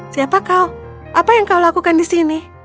siapa kau apa yang kau lakukan di sini